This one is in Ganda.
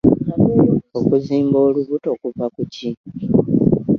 Okuzimba olubuto kuva ku ki?